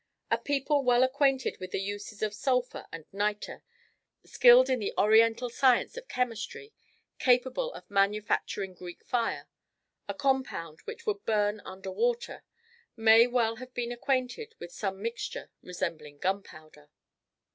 A people well acquainted with the uses of sulphur and niter, skilled in the Oriental science of chemistry, capable of manufacturing Greek fire a compound which would burn under water may well have been acquainted with some mixture resembling gunpowder.